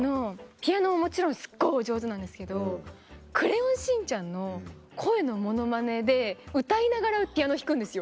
ピアノももちろんすっごいお上手なんですけど『クレヨンしんちゃん』の声のモノマネで歌いながらピアノを弾くんですよ。